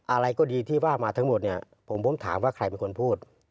อะไรก็ดีที่ว่ามาทั้งหมดเนี่ยผมถามว่าใครเป็นคนพูด